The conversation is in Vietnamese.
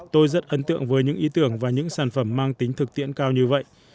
tôi rất ấn tượng với những ý tưởng và những sản phẩm mang tính thực tiễn cao như vậy